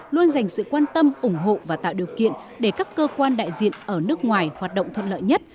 luôn dành sự quan tâm ủng hộ và tạo điều kiện để các cơ quan đại diện ở nước ngoài hoạt động thuận lợi nhất